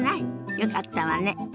よかったわね。